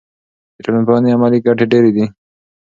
د ټولنپوهنې عملي ګټې ډېرې دي.